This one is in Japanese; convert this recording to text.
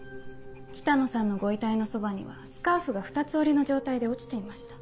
北野さんのご遺体のそばにはスカーフが二つ折りの状態で落ちていました。